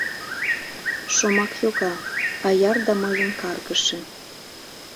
Шомак йога, аяр да мыйым каргыше.